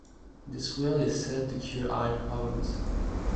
This well is said to cure eye problems.